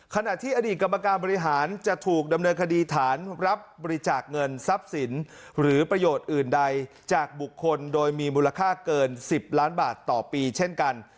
ขณะที่อดีตกรรมการบริหารจะถูกดำเนินคดีฐานรับบริจาคเงินทรัพย์สินหรือประโยชน์อื่นใดจากบุคคลโดยมีมูลค่าเกิน๑๐ล้านบาทต่อปีเช่นกัน